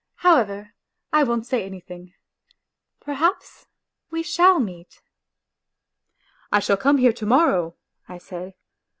. However, I won't say anything ... perhaps we shall meet. ..." "I shall come here to morrow," I said.